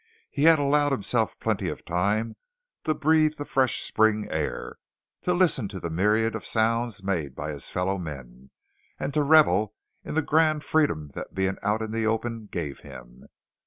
He had allowed himself plenty of time to breathe the fresh spring air, to listen to the myriad of sounds made by his fellow men, and to revel in the grand freedom that being out in the open gave him.